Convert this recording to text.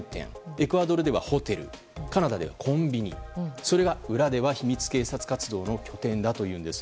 エクアドルではホテルカナダではコンビニそれが裏では秘密警察活動の拠点だというんです。